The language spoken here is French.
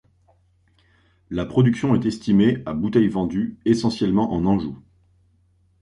La production est estimée à bouteilles vendues essentiellement en Anjou.